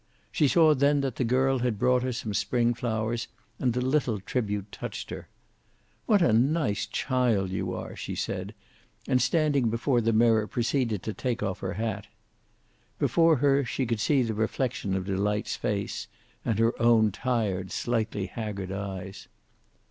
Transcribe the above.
She saw then that the girl had brought her some spring flowers, and the little tribute touched her. "What a nice child you are!" she said, and standing before the mirror proceeded to take off her hat. Before her she could see the reflection of Delight's face, and her own tired, slightly haggard eyes.